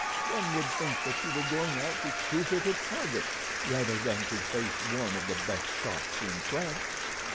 One would think that you were going out to shoot at a target, rather than to face one of the best shots in France."